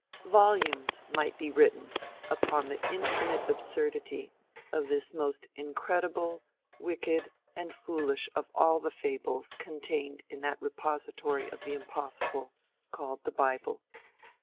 Volumes might be written upon the infinite absurdity of this most incredible, wicked and foolish of all the fables contained in that repository of the impossible, called the bible.